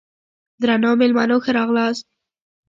درنو مېلمنو ښه راغلاست!